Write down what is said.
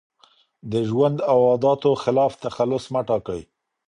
د ژوند او عاداتو خلاف تخلص مه ټاکئ.